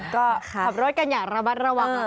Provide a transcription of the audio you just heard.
ก็ขับรถกันอย่าระบัดระวังแล้วกัน